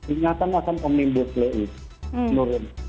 ingatan akan omnibus law itu menurun